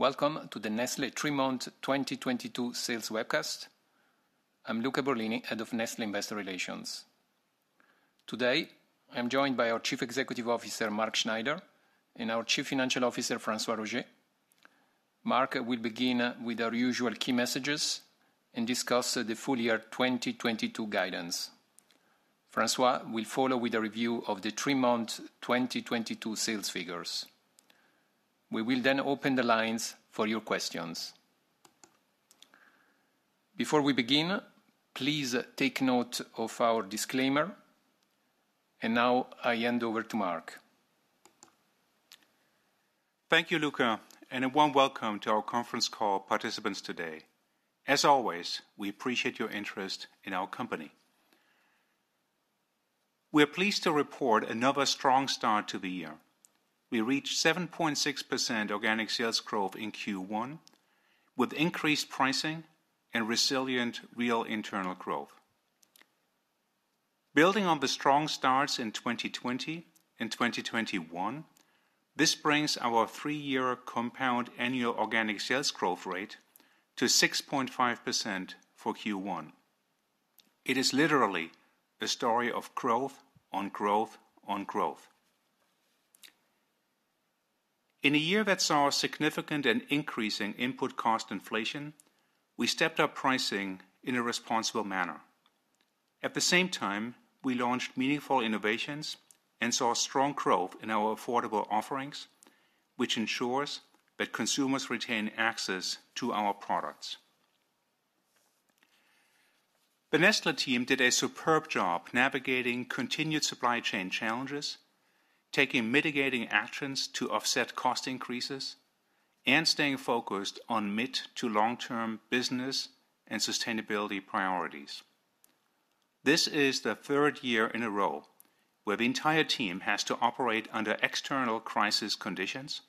Welcome to the Nestlé three-month 2022 sales webcast. I'm Luca Borlini, Head of Nestlé Investor Relations. Today, I'm joined by our Chief Executive Officer, Mark Schneider, and our Chief Financial Officer, François Roger. Mark will begin with our usual key messages and discuss the full year 2022 guidance. François will follow with a review of the three-month 2022 sales figures. We will then open the lines for your questions. Before we begin, please take note of our disclaimer. Now I hand over to Mark. Thank you, Luca, and a warm welcome to our conference call participants today. As always, we appreciate your interest in our company. We're pleased to report another strong start to the year. We reached 7.6% organic sales growth in Q1, with increased pricing and resilient real internal growth. Building on the strong starts in 2020 and 2021, this brings our three-year compound annual organic sales growth rate to 6.5% for Q1. It is literally a story of growth on growth on growth. In a year that saw a significant and increasing input cost inflation, we stepped up pricing in a responsible manner. At the same time, we launched meaningful innovations and saw strong growth in our affordable offerings, which ensures that consumers retain access to our products. The Nestlé team did a superb job navigating continued supply chain challenges, taking mitigating actions to offset cost increases, and staying focused on mid to long-term business and sustainability priorities. This is the third year in a row where the entire team has to operate under external crisis conditions,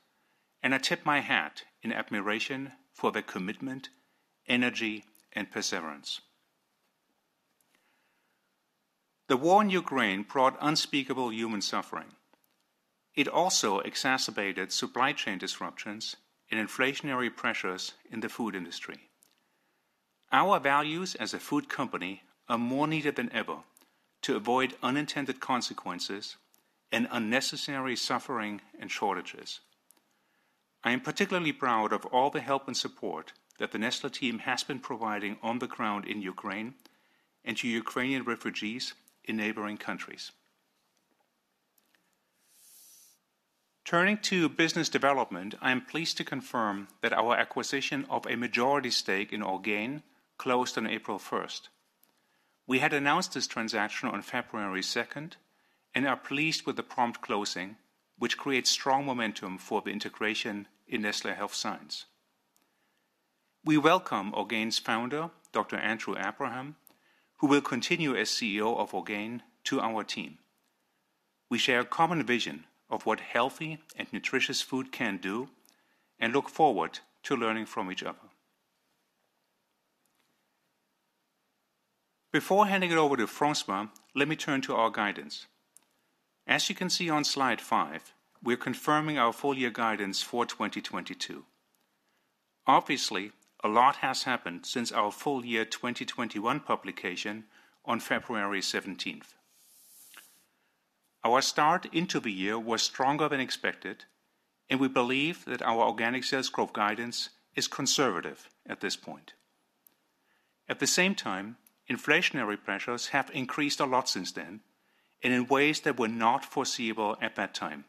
and I tip my hat in admiration for their commitment, energy, and perseverance. The war in Ukraine brought unspeakable human suffering. It also exacerbated supply chain disruptions and inflationary pressures in the food industry. Our values as a food company are more needed than ever to avoid unintended consequences and unnecessary suffering and shortages. I am particularly proud of all the help and support that the Nestlé team has been providing on the ground in Ukraine and to Ukrainian refugees in neighboring countries. Turning to business development, I am pleased to confirm that our acquisition of a majority stake in Orgain closed on April 1. We had announced this transaction on February 2 and are pleased with the prompt closing, which creates strong momentum for the integration in Nestlé Health Science. We welcome Orgain's founder, Dr. Andrew Abraham, who will continue as CEO of Orgain, to our team. We share a common vision of what healthy and nutritious food can do and look forward to learning from each other. Before handing it over to François, let me turn to our guidance. As you can see on slide five, we're confirming our full year guidance for 2022. Obviously, a lot has happened since our full year 2021 publication on February 17. Our start into the year was stronger than expected, and we believe that our organic sales growth guidance is conservative at this point. At the same time, inflationary pressures have increased a lot since then and in ways that were not foreseeable at that time.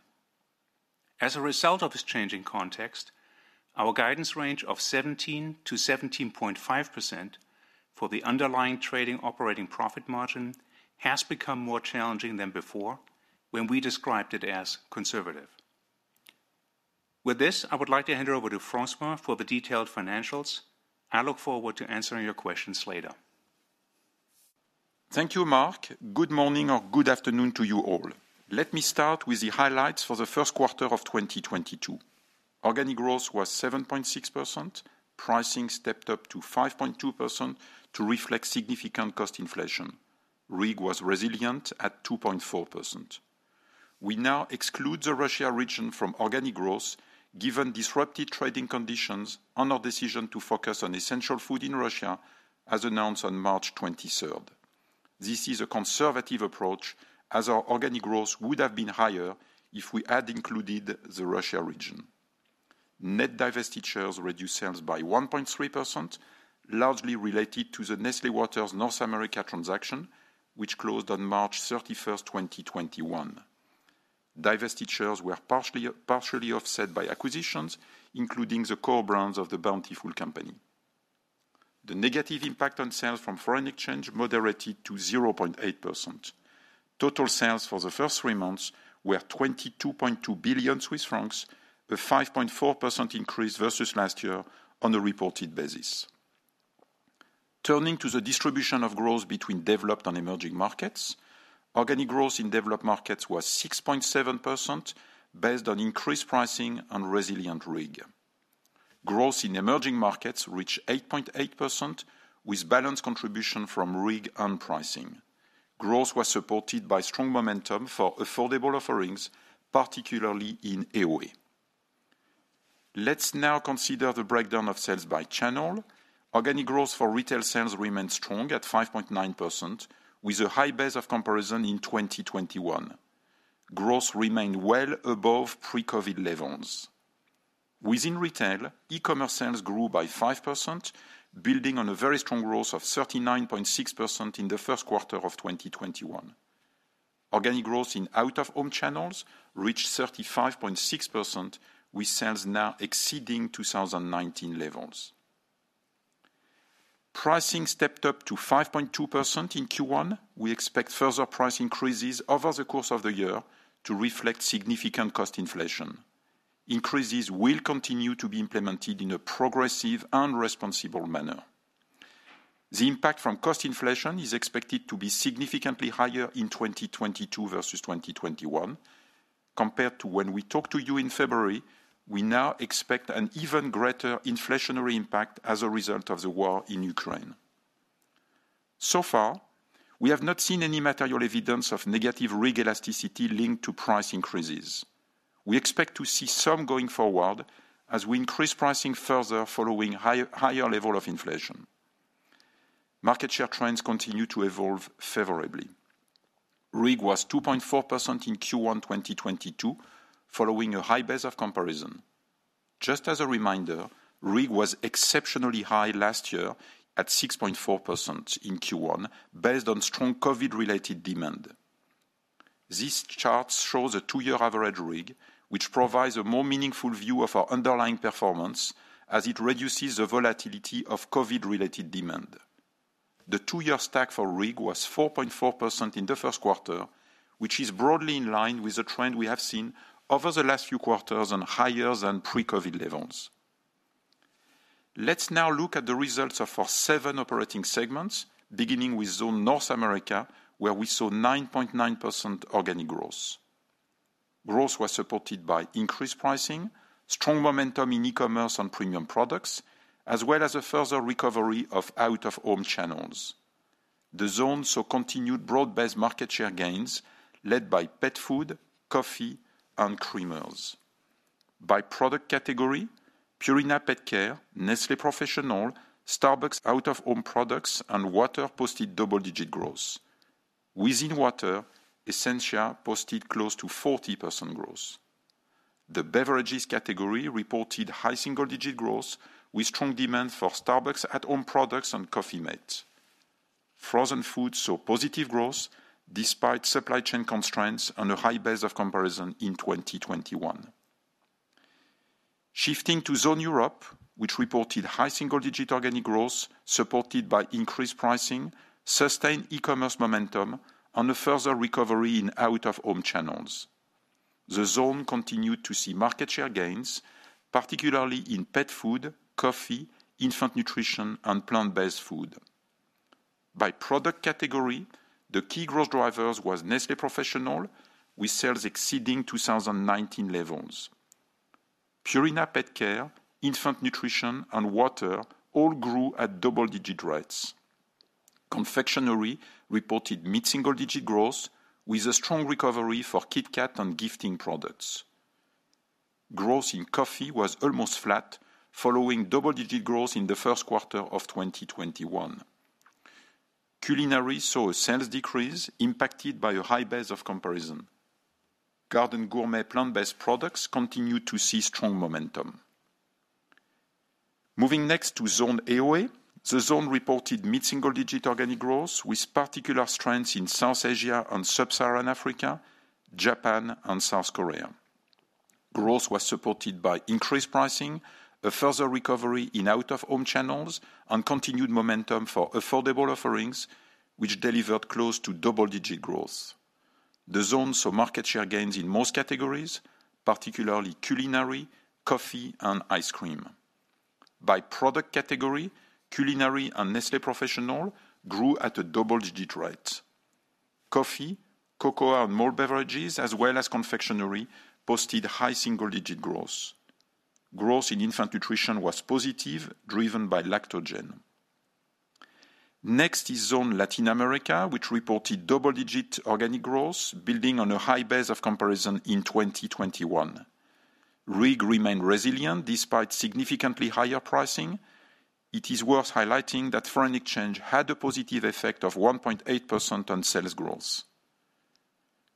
As a result of this changing context, our guidance range of 17%-17.5% for the underlying trading operating profit margin has become more challenging than before when we described it as conservative. With this, I would like to hand over to François for the detailed financials. I look forward to answering your questions later. Thank you, Mark. Good morning or good afternoon to you all. Let me start with the highlights for the first quarter of 2022. Organic growth was 7.6%. Pricing stepped up to 5.2% to reflect significant cost inflation. RIG was resilient at 2.4%. We now exclude the Russia region from organic growth given disrupted trading conditions and our decision to focus on essential food in Russia as announced on March 23rd. This is a conservative approach as our organic growth would have been higher if we had included the Russia region. Net divested shares reduced sales by 1.3%, largely related to the Nestlé Waters North America transaction, which closed on March 31st, 2021. Divested shares were partially offset by acquisitions, including the core brands of the Bountiful Company. The negative impact on sales from foreign exchange moderated to 0.8%. Total sales for the first three months were 22.2 billion Swiss francs, a 5.4% increase versus last year on a reported basis. Turning to the distribution of growth between developed and emerging markets, organic growth in developed markets was 6.7% based on increased pricing and resilient RIG. Growth in emerging markets reached 8.8% with balanced contribution from RIG and pricing. Growth was supported by strong momentum for affordable offerings, particularly in AOA. Let's now consider the breakdown of sales by channel. Organic growth for retail sales remained strong at 5.9%, with a high base of comparison in 2021. Growth remained well above pre-COVID levels. Within retail, e-commerce sales grew by 5%, building on a very strong growth of 39.6% in the first quarter of 2021. Organic growth in out-of-home channels reached 35.6% with sales now exceeding 2019 levels. Pricing stepped up to 5.2% in Q1. We expect further price increases over the course of the year to reflect significant cost inflation. Increases will continue to be implemented in a progressive and responsible manner. The impact from cost inflation is expected to be significantly higher in 2022 versus 2021. Compared to when we talked to you in February, we now expect an even greater inflationary impact as a result of the war in Ukraine. So far, we have not seen any material evidence of negative RIG elasticity linked to price increases. We expect to see some going forward as we increase pricing further following higher level of inflation. Market share trends continue to evolve favorably. RIG was 2.4% in Q1 2022 following a high base of comparison. Just as a reminder, RIG was exceptionally high last year at 6.4% in Q1, based on strong COVID-related demand. This chart shows a two-year average RIG, which provides a more meaningful view of our underlying performance as it reduces the volatility of COVID-related demand. The two-year stack for RIG was 4.4% in the first quarter, which is broadly in line with the trend we have seen over the last few quarters and higher than pre-COVID levels. Let's now look at the results of our seven operating segments, beginning with Zone North America, where we saw 9.9% organic growth. Growth was supported by increased pricing, strong momentum in e-commerce and premium products, as well as a further recovery of out-of-home channels. The zone saw continued broad-based market share gains led by pet food, coffee, and creamers. By product category, Purina PetCare, Nestlé Professional, Starbucks out-of-home products and water posted double-digit growth. Within water, Essentia posted close to 40% growth. The beverages category reported high single-digit growth with strong demand for Starbucks at-home products and Coffee mate. Frozen food saw positive growth despite supply chain constraints on a high base of comparison in 2021. Shifting to Zone Europe, which reported high single-digit organic growth supported by increased pricing, sustained e-commerce momentum, and a further recovery in out-of-home channels. The zone continued to see market share gains, particularly in pet food, coffee, infant nutrition, and plant-based food. By product category, the key growth drivers was Nestlé Professional, with sales exceeding 2019 levels. Purina PetCare, infant nutrition, and water all grew at double-digit rates. Confectionery reported mid-single-digit growth with a strong recovery for KitKat and gifting products. Growth in coffee was almost flat following double-digit growth in the first quarter of 2021. Culinary saw a sales decrease impacted by a high base of comparison. Garden Gourmet plant-based products continued to see strong momentum. Moving next to Zone AOA, the zone reported mid-single-digit organic growth with particular strengths in South Asia and Sub-Saharan Africa, Japan, and South Korea. Growth was supported by increased pricing, a further recovery in out-of-home channels, and continued momentum for affordable offerings which delivered close to double-digit growth. The zone saw market share gains in most categories, particularly culinary, coffee, and ice cream. By product category, culinary and Nestlé Professional grew at a double-digit rate. Coffee, cocoa, and more beverages as well as confectionery posted high single-digit growth. Growth in infant nutrition was positive, driven by Lactogen. Next is Zone Latin America, which reported double-digit organic growth, building on a high base of comparison in 2021. RIG remained resilient despite significantly higher pricing. It is worth highlighting that foreign exchange had a positive effect of 1.8% on sales growth.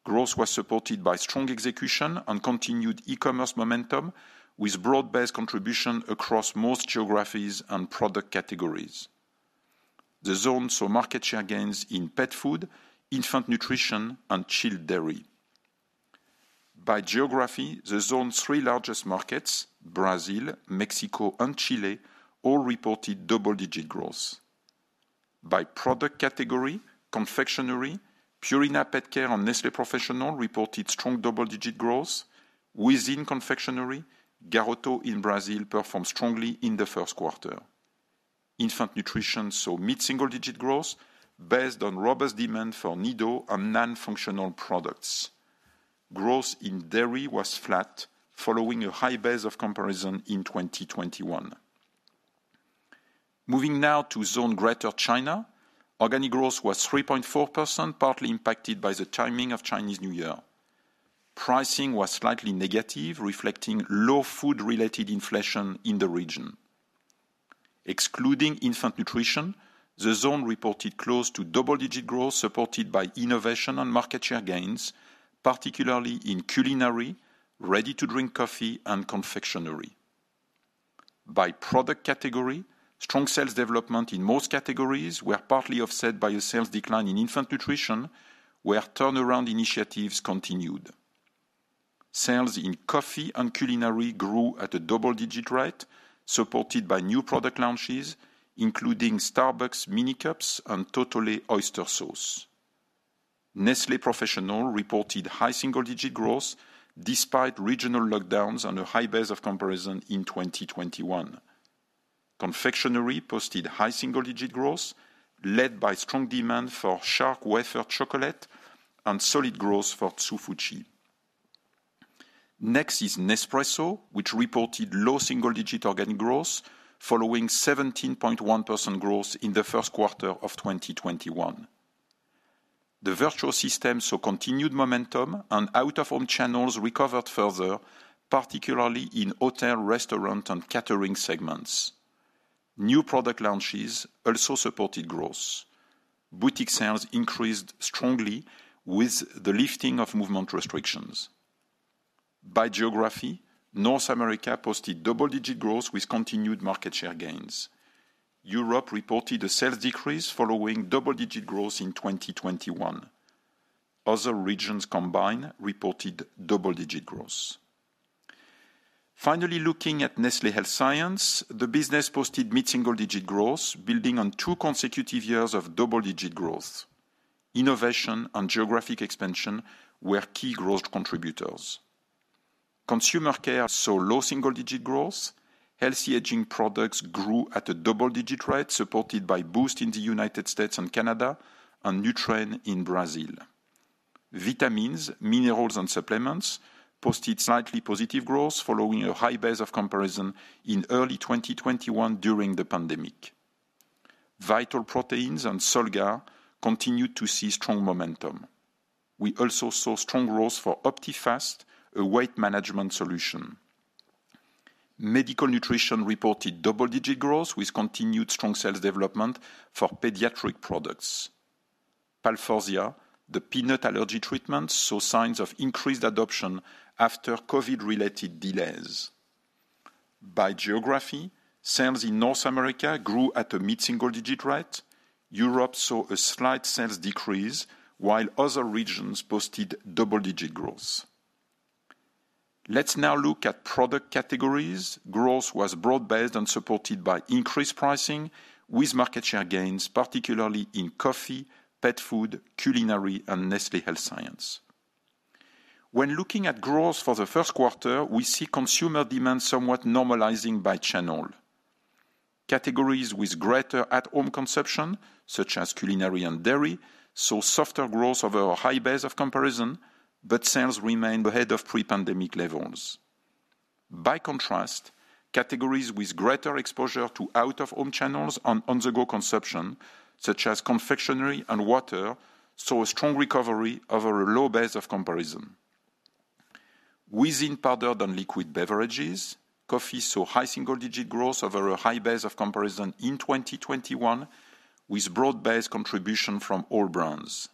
Growth was supported by strong execution and continued e-commerce momentum with broad-based contribution across most geographies and product categories. The zone saw market share gains in pet food, infant nutrition, and chilled dairy. By geography, the zone's three largest markets, Brazil, Mexico, and Chile, all reported double-digit growth. By product category, confectionery, Purina PetCare, and Nestlé Professional reported strong double-digit growth. Within confectionery, Garoto in Brazil performed strongly in the first quarter. Infant nutrition saw mid-single-digit growth based on robust demand for Nido and non-functional products. Growth in dairy was flat following a high base of comparison in 2021. Moving now to Zone Greater China, organic growth was 3.4%, partly impacted by the timing of Chinese New Year. Pricing was slightly negative, reflecting low food-related inflation in the region. Excluding infant nutrition, the zone reported close to double-digit growth, supported by innovation and market share gains, particularly in culinary, ready-to-drink coffee, and confectionery. By product category, strong sales development in most categories were partly offset by a sales decline in infant nutrition, where turnaround initiatives continued. Sales in coffee and culinary grew at a double-digit rate, supported by new product launches, including Starbucks Mini Cups and Totole Oyster Sauce. Nestlé Professional reported high single-digit growth despite regional lockdowns on a high base of comparison in 2021. Confectionery posted high single-digit growth led by strong demand for Shark wafer chocolate and solid growth for Hsu Fu Chi. Next is Nespresso, which reported low single-digit organic growth following 17.1% growth in the first quarter of 2021. The Vertuo system saw continued momentum and out-of-home channels recovered further, particularly in hotel, restaurant, and catering segments. New product launches also supported growth. Boutique sales increased strongly with the lifting of movement restrictions. By geography, North America posted double-digit growth with continued market share gains. Europe reported a sales decrease following double-digit growth in 2021. Other regions combined reported double-digit growth. Finally, looking at Nestlé Health Science, the business posted mid-single-digit growth, building on two consecutive years of double-digit growth. Innovation and geographic expansion were key growth contributors. Consumer care saw low single-digit growth. Healthy aging products grew at a double-digit rate, supported by Boost in the United States and Canada and Nutren in Brazil. Vitamins, minerals, and supplements posted slightly positive growth following a high base of comparison in early 2021 during the pandemic. Vital Proteins and Solgar continued to see strong momentum. We also saw strong growth for Optifast, a weight management solution. Medical Nutrition reported double-digit growth with continued strong sales development for pediatric products. Palforzia, the peanut allergy treatment, saw signs of increased adoption after COVID-related delays. By geography, sales in North America grew at a mid-single-digit rate. Europe saw a slight sales decrease, while other regions posted double-digit growth. Let's now look at product categories. Growth was broad-based and supported by increased pricing with market share gains, particularly in coffee, pet food, culinary, and Nestlé Health Science. When looking at growth for the first quarter, we see consumer demand somewhat normalizing by channel. Categories with greater at-home consumption, such as culinary and dairy, saw softer growth over a high base of comparison, but sales remained ahead of pre-pandemic levels. By contrast, categories with greater exposure to out-of-home channels on-the-go consumption, such as confectionery and water, saw a strong recovery over a low base of comparison. Within powdered and liquid beverages, coffee saw high single-digit growth over a high base of comparison in 2021 with broad-based contribution from all brands.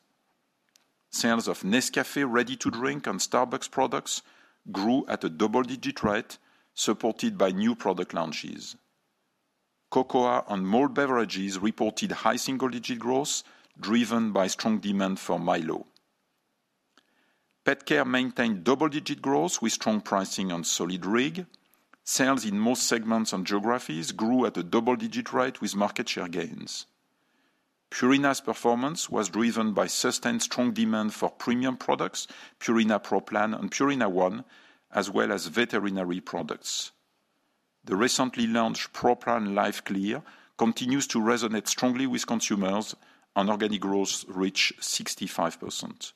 Sales of Nescafé ready-to-drink and Starbucks products grew at a double-digit rate supported by new product launches. Cocoa and malt beverages reported high single-digit growth driven by strong demand for Milo. PetCare maintained double-digit growth with strong pricing on solid RIG. Sales in most segments and geographies grew at a double-digit rate with market share gains. Purina's performance was driven by sustained strong demand for premium products, Purina Pro Plan and Purina ONE, as well as veterinary products. The recently launched Pro Plan LiveClear continues to resonate strongly with consumers, and organic growth reached 65%.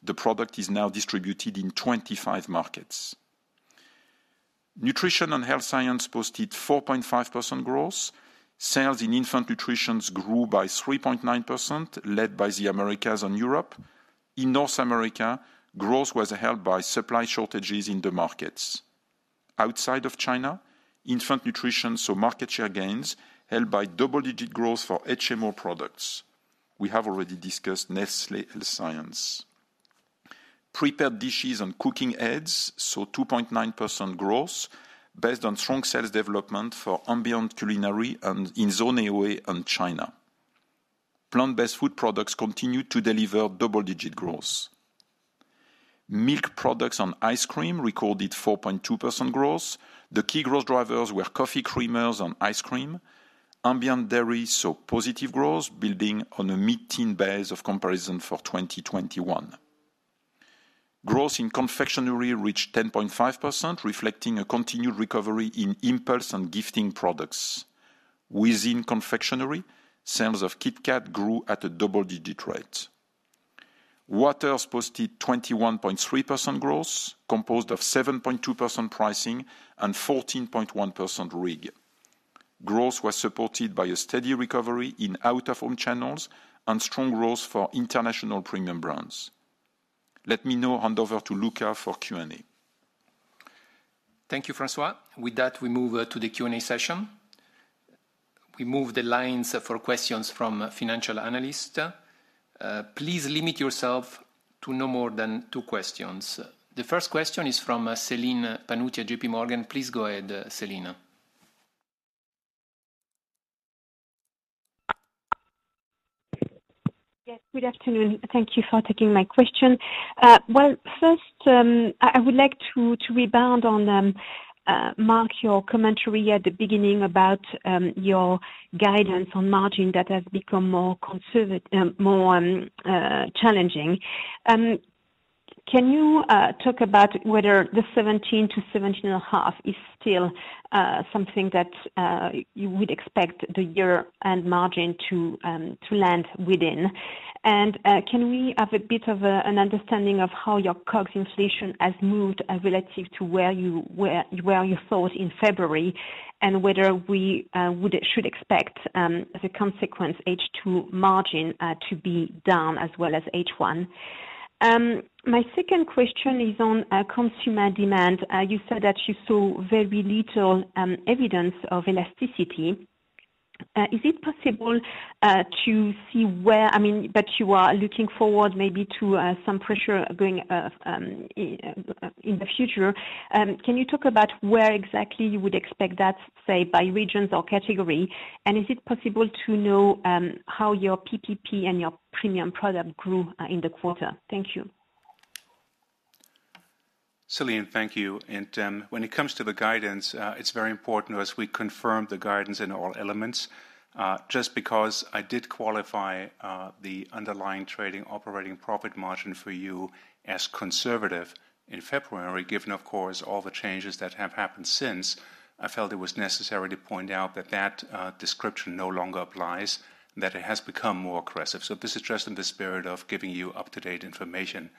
The product is now distributed in 25 markets. Nestlé Health Science posted 4.5% growth. Sales in infant nutrition grew by 3.9%, led by the Americas and Europe. In Zone North America, growth was held back by supply shortages in the markets. Outside of China, infant nutrition saw market share gains led by double-digit growth for HMO products. We have already discussed Nestlé Health Science. Prepared dishes and cooking aids saw 2.9% growth based on strong sales development for ambient culinary and in Zone AOA in China. Plant-based food products continued to deliver double-digit growth. Milk products and ice cream recorded 4.2% growth. The key growth drivers were coffee creamers and ice cream. Ambient dairy saw positive growth, building on a mid-teen base of comparison for 2021. Growth in confectionery reached 10.5%, reflecting a continued recovery in impulse and gifting products. Within confectionery, sales of KitKat grew at a double-digit rate. Waters posted 21.3% growth, composed of 7.2% pricing and 14.1% RIG. Growth was supported by a steady recovery in out-of-home channels and strong growth for international premium brands. Let me now hand over to Luca for Q&A. Thank you, François. With that, we move to the Q&A session. We move the lines for questions from financial analysts. Please limit yourself to no more than two questions. The first question is from Celine Pannuti, JPMorgan. Please go ahead, Celine. Yes, good afternoon. Thank you for taking my question. Well, first, I would like to rebound on Mark, your commentary at the beginning about your guidance on margin that has become more challenging. Can you talk about whether the 17%-17.5% is still something that you would expect the year-end margin to land within? Can we have a bit of an understanding of how your COGS inflation has moved relative to where you thought in February? Whether we would or should expect the consequence H2 margin to be down as well as H1. My second question is on consumer demand. You said that you saw very little evidence of elasticity. Is it possible, I mean, but you are looking forward maybe to some pressure going in the future. Can you talk about where exactly you would expect that, say, by regions or category? Is it possible to know how your PPP and your premium product grew in the quarter? Thank you. Celine, thank you. When it comes to the guidance, it's very important to us that we confirm the guidance in all elements. Just because I did qualify the underlying trading operating profit margin for you as conservative in February, given of course all the changes that have happened since, I felt it was necessary to point out that description no longer applies, and that it has become more aggressive. This is just in the spirit of giving you up-to-date information.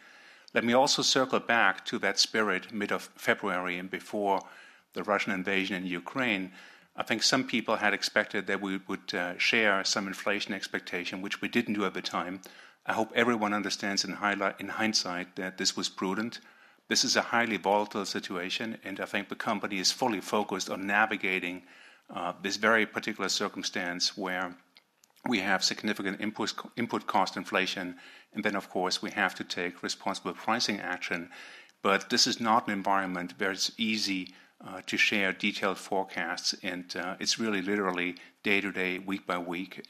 Let me also circle back to that spirit mid-February and before the Russian invasion in Ukraine. I think some people had expected that we would share some inflation expectation, which we didn't do at the time. I hope everyone understands in hindsight that this was prudent. This is a highly volatile situation. I think the company is fully focused on navigating this very particular circumstance where we have significant input cost inflation. Then, of course, we have to take responsible pricing action. This is not an environment where it's easy to share detailed forecasts. It's really literally day to day, week by week.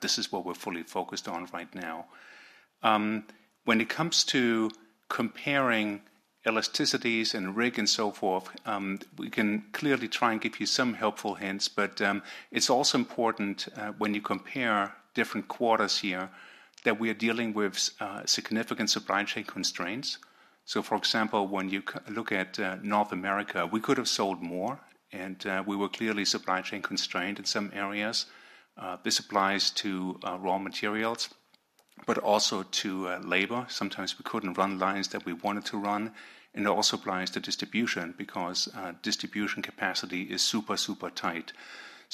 This is what we're fully focused on right now. When it comes to comparing elasticities and RIG and so forth, we can clearly try and give you some helpful hints. It's also important, when you compare different quarters here, that we are dealing with significant supply chain constraints. For example, when you look at North America, we could have sold more, and we were clearly supply chain constrained in some areas. This applies to raw materials, but also to labor. Sometimes we couldn't run lines that we wanted to run. It also applies to distribution because distribution capacity is super tight.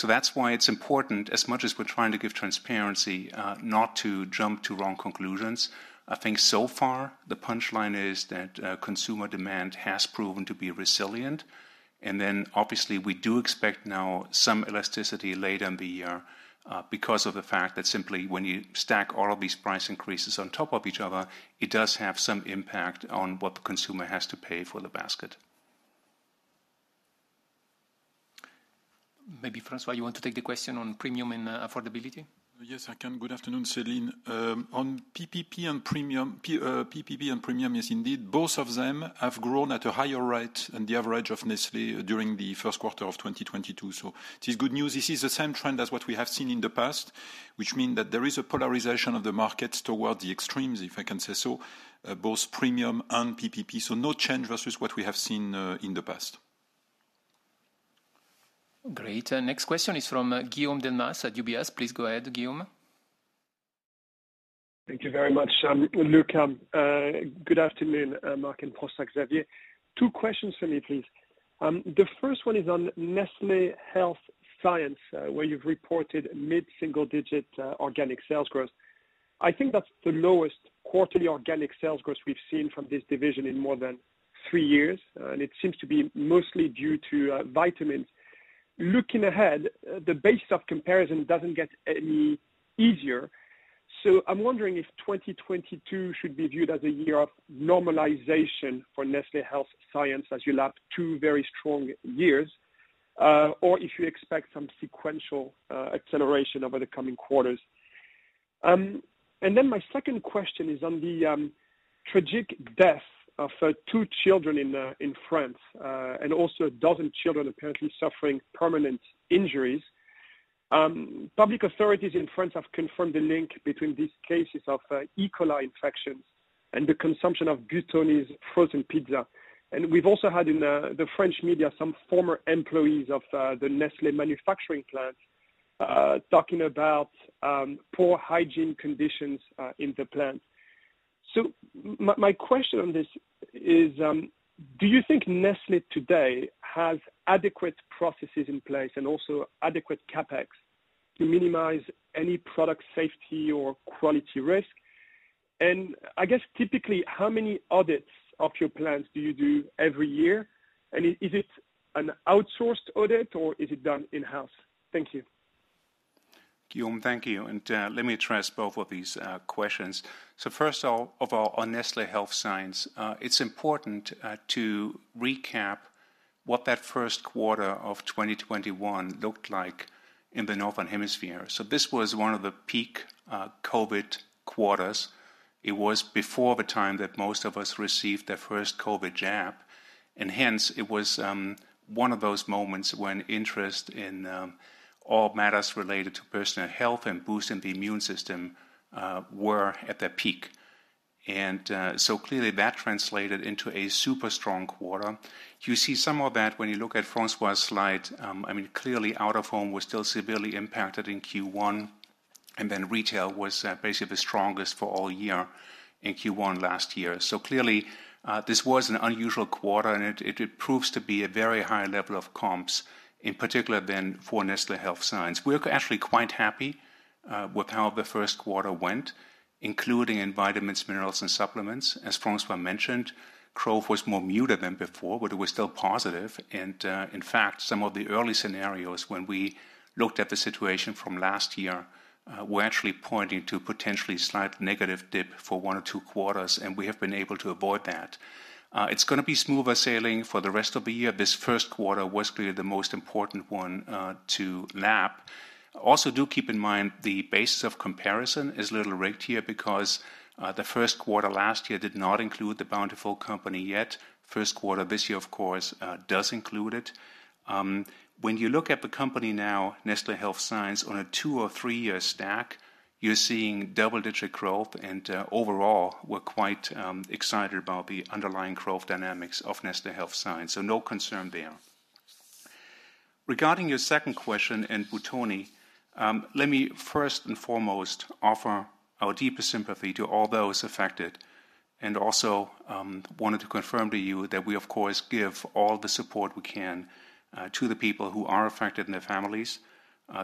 That's why it's important, as much as we're trying to give transparency, not to jump to wrong conclusions. I think so far the punchline is that consumer demand has proven to be resilient. Obviously we do expect now some elasticity later in the year, because of the fact that simply when you stack all of these price increases on top of each other, it does have some impact on what the consumer has to pay for the basket. Maybe François, you want to take the question on premium and affordability? Yes, I can. Good afternoon, Celine. On PPP and premium, yes indeed, both of them have grown at a higher rate than the average of Nestlé during the first quarter of 2022. This is good news. This is the same trend as what we have seen in the past, which means that there is a polarization of the market toward the extremes, if I can say so, both premium and PPP. No change versus what we have seen in the past. Great. Next question is from Guillaume Delmas at UBS. Please go ahead, Guillaume. Thank you very much, Luca. Good afternoon, Mark and François-Xavier. Two questions for me, please. The first one is on Nestlé Health Science, where you've reported mid-single digit organic sales growth. I think that's the lowest quarterly organic sales growth we've seen from this division in more than three years, and it seems to be mostly due to vitamins. Looking ahead, the base of comparison doesn't get any easier. I'm wondering if 2022 should be viewed as a year of normalization for Nestlé Health Science as you lap two very strong years, or if you expect some sequential acceleration over the coming quarters. My second question is on the tragic death of two children in France and also a dozen children apparently suffering permanent injuries. Public authorities in France have confirmed the link between these cases of E. coli infections and the consumption of Buitoni's frozen pizza. We've also had in the French media some former employees of the Nestlé manufacturing plant talking about poor hygiene conditions in the plant. My question on this is, do you think Nestlé today has adequate processes in place and also adequate CapEx to minimize any product safety or quality risk? I guess, typically, how many audits of your plants do you do every year? Is it an outsourced audit, or is it done in-house? Thank you. Guillaume, thank you. Let me address both of these questions. First of all, on Nestlé Health Science, it's important to recap what that first quarter of 2021 looked like in the Northern Hemisphere. This was one of the peak COVID quarters. It was before the time that most of us received their first COVID jab, and hence, it was one of those moments when interest in all matters related to personal health and boosting the immune system were at their peak. Clearly that translated into a super strong quarter. You see some of that when you look at François' slide. I mean, clearly, out of home was still severely impacted in Q1, and then retail was basically the strongest for all year in Q1 last year. Clearly, this was an unusual quarter, and it proves to be a very high level of comps, in particular then for Nestlé Health Science. We're actually quite happy with how the first quarter went, including in vitamins, minerals, and supplements. As François mentioned, growth was more muted than before, but it was still positive. In fact, some of the early scenarios when we looked at the situation from last year were actually pointing to potentially slight negative dip for one or two quarters, and we have been able to avoid that. It's gonna be smoother sailing for the rest of the year. This first quarter was clearly the most important one to lap. Also, do keep in mind the basis of comparison is a little rigged here because the first quarter last year did not include the Bountiful Company yet. First quarter this year, of course, does include it. When you look at the company now, Nestlé Health Science, on a two- or three-year stack, you're seeing double-digit growth. Overall, we're quite excited about the underlying growth dynamics of Nestlé Health Science. No concern there. Regarding your second question in Buitoni, let me first and foremost offer our deepest sympathy to all those affected, and also wanted to confirm to you that we, of course, give all the support we can to the people who are affected and their families.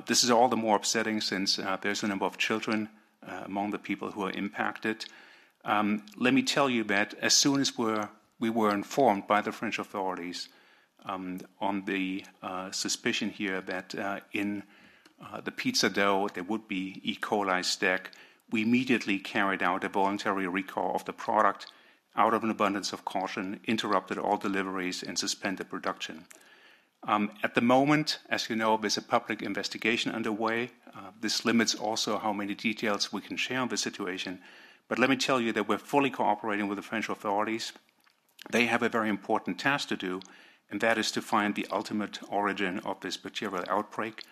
This is all the more upsetting since there's a number of children among the people who are impacted. Let me tell you that as soon as we were informed by the French authorities on the suspicion here that in the pizza dough there would be E. coli strain, we immediately carried out a voluntary recall of the product, out of an abundance of caution, interrupted all deliveries, and suspended production. At the moment, as you know, there's a public investigation underway. This limits also how many details we can share on the situation. Let me tell you that we're fully cooperating with the French authorities. They have a very important task to do, and that is to find the ultimate origin of this bacterial outbreak.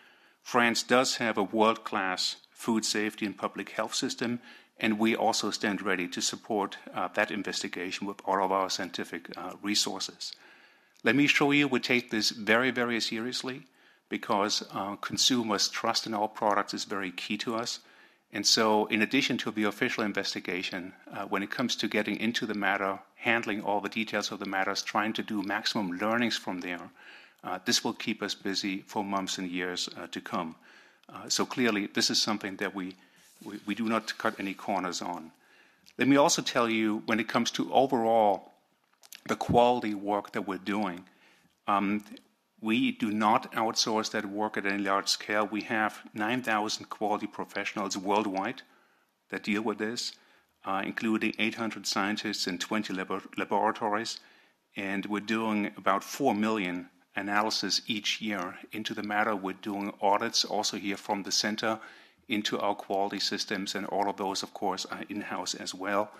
France does have a world-class food safety and public health system, and we also stand ready to support that investigation with all of our scientific resources. Let me assure you, we take this very, very seriously because consumers' trust in our products is very key to us. In addition to the official investigation, when it comes to getting into the matter, handling all the details of the matters, trying to do maximum learnings from there, this will keep us busy for months and years to come. Clearly this is something that we do not cut any corners on. Let me also tell you, when it comes to overall the quality work that we're doing, we do not outsource that work at any large scale. We have 9,000 quality professionals worldwide that deal with this, including 800 scientists and 20 laboratories. We're doing about four million analyses each year into the matter. We're doing audits also here from the center into our quality systems. All of those, of course, are in-house as well.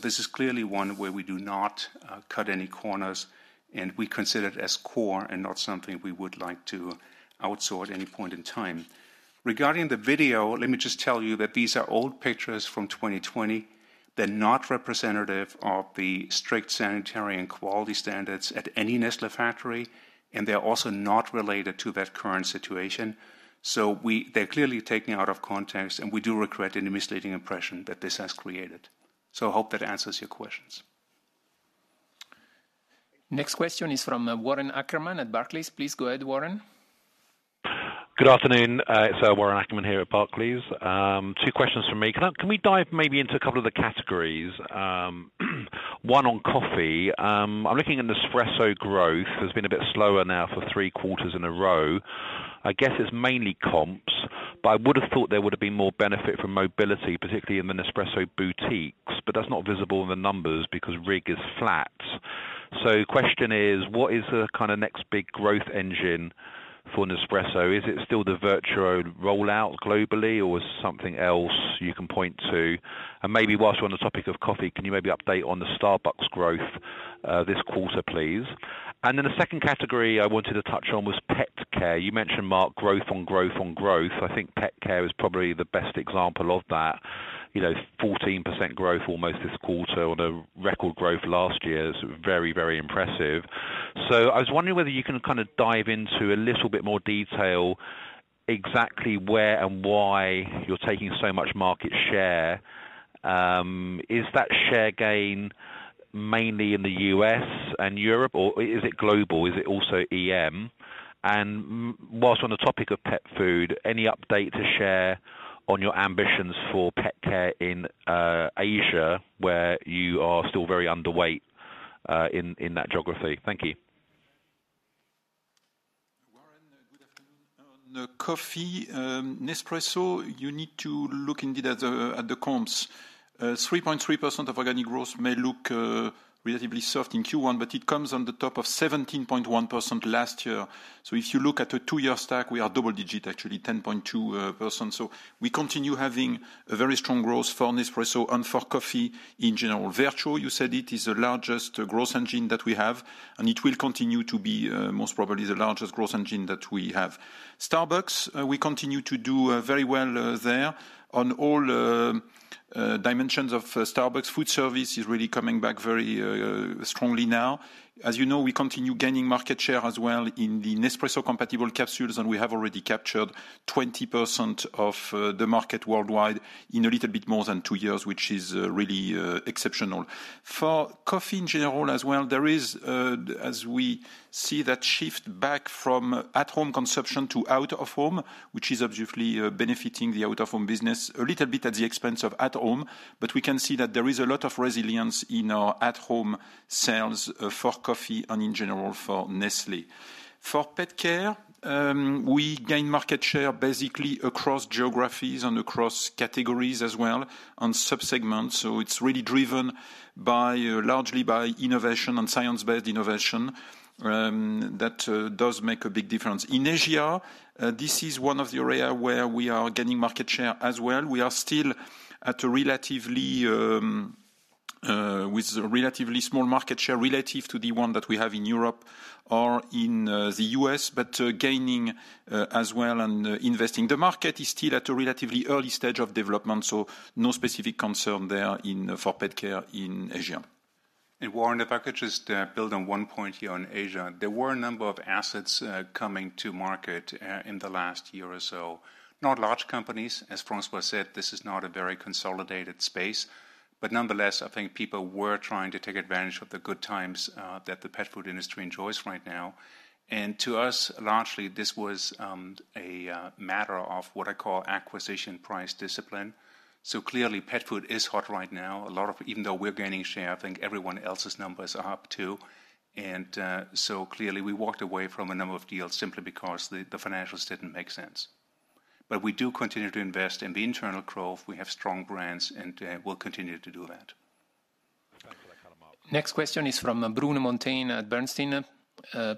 This is clearly one where we do not cut any corners, and we consider it as core and not something we would like to outsource at any point in time. Regarding the video, let me just tell you that these are old pictures from 2020. They're not representative of the strict sanitary and quality standards at any Nestlé factory, and they're also not related to that current situation. They're clearly taken out of context, and we do regret any misleading impression that this has created. I hope that answers your questions. Next question is from Warren Ackerman at Barclays. Please go ahead, Warren. Good afternoon. It's Warren Ackerman here at Barclays. Two questions from me. Can we dive maybe into a couple of the categories? One on coffee. I'm looking at Nespresso growth. It's been a bit slower now for three quarters in a row. I guess it's mainly comps, but I would've thought there would've been more benefit from mobility, particularly in the Nespresso boutiques, but that's not visible in the numbers because RIG is flat. Question is, what is the kinda next big growth engine for Nespresso? Is it still the Vertuo rollout globally, or is it something else you can point to? Maybe whilst we're on the topic of coffee, can you maybe update on the Starbucks growth this quarter, please. The second category I wanted to touch on was pet care. You mentioned, Mark, growth on growth on growth. I think pet care is probably the best example of that. You know, 14% growth almost this quarter on a record growth last year is very, very impressive. I was wondering whether you can kind of dive into a little bit more detail exactly where and why you're taking so much market share. Is that share gain mainly in the U.S. and Europe, or is it global? Is it also EM? While on the topic of pet food, any update to share on your ambitions for pet care in Asia, where you are still very underweight in that geography? Thank you. Warren, good afternoon. On the coffee, Nespresso, you need to look indeed at the comps. 3.3% of organic growth may look relatively soft in Q1, but it comes on the top of 17.1% last year. If you look at a two-year stack, we are double digit, actually 10.2%. We continue having a very strong growth for Nespresso and for coffee in general. Vertuo, you said, it is the largest growth engine that we have, and it will continue to be most probably the largest growth engine that we have. Starbucks, we continue to do very well there on all dimensions of Starbucks food service is really coming back very strongly now. As you know, we continue gaining market share as well in the Nespresso compatible capsules, and we have already captured 20% of the market worldwide in a little bit more than two years, which is really exceptional. For coffee in general as well, there is as we see that shift back from at home consumption to out of home, which is obviously benefiting the out of home business a little bit at the expense of at home. But we can see that there is a lot of resilience in our at home sales for coffee and in general for Nestlé. For pet care, we gain market share basically across geographies and across categories as well on sub-segments. It's really driven by largely by innovation and science-based innovation that does make a big difference. In Asia, this is one of the area where we are gaining market share as well. We are still with relatively small market share relative to the one that we have in Europe or in the U.S., gaining as well and investing. The market is still at a relatively early stage of development, so no specific concern there for pet care in Asia. Warren, if I could just build on one point here on Asia. There were a number of assets coming to market in the last year or so. Not large companies. As François said, this is not a very consolidated space. Nonetheless, I think people were trying to take advantage of the good times that the pet food industry enjoys right now. To us, largely, this was a matter of what I call acquisition price discipline. Clearly, pet food is hot right now. Even though we're gaining share, I think everyone else's numbers are up too. Clearly we walked away from a number of deals simply because the financials didn't make sense. We do continue to invest in the internal growth. We have strong brands, and we'll continue to do that. Back to Luca Borlini. Next question is from Bruno Monteyne at Bernstein.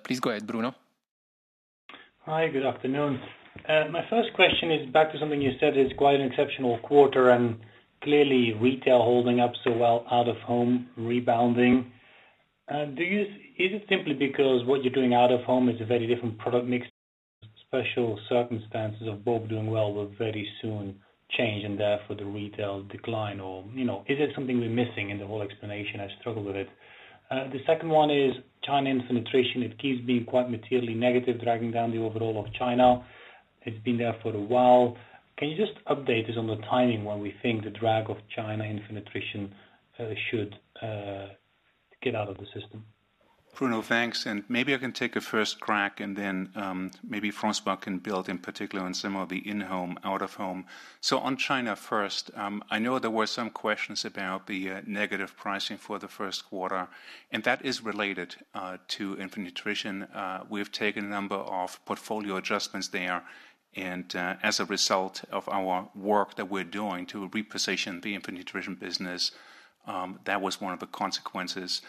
Please go ahead, Bruno. Hi, good afternoon. My first question is back to something you said. It's quite an exceptional quarter, and clearly retail holding up so well out of home rebounding. Is it simply because what you're doing out of home is a very different product mix, special circumstances of both doing well will very soon change and therefore the retail decline or, you know, is there something we're missing in the whole explanation? I struggle with it. The second one is China infant nutrition. It keeps being quite materially negative, dragging down the overall of China. It's been there for a while. Can you just update us on the timing when we think the drag of China infant nutrition should get out of the system? Bruno, thanks, and maybe I can take a first crack and then, maybe François can build in particular on some of the in-home, out-of-home. On China first, I know there were some questions about the negative pricing for the first quarter, and that is related to infant nutrition. We've taken a number of portfolio adjustments there, and as a result of our work that we're doing to reposition the infant nutrition business, that was one of the consequences.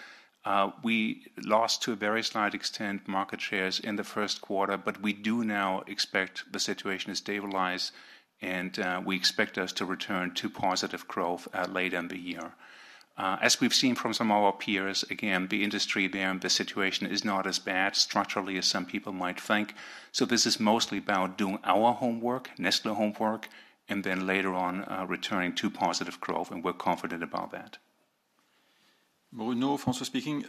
We lost to a very slight extent market shares in the first quarter, but we do now expect the situation to stabilize, and we expect us to return to positive growth later in the year. As we've seen from some of our peers, again, the industry there and the situation is not as bad structurally as some people might think. This is mostly about doing our homework, Nestlé homework, and then later on, returning to positive growth, and we're confident about that. Bruno, François speaking.